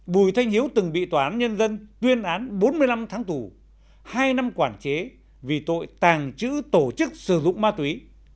bùi thanh hiếu từng bị tòa án nhân dân tuyên án bốn mươi năm tháng tù hai năm quản chế vì tội tàng trữ tổ chức sử dụng ma túy